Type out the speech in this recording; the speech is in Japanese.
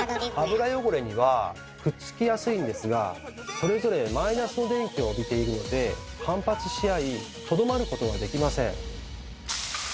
油汚れにはくっつきやすいんですがそれぞれマイナスの電気を帯びているので反発し合いとどまることができません。